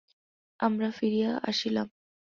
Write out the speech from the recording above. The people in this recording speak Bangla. আমরা ফিরিয়া আসিলাম।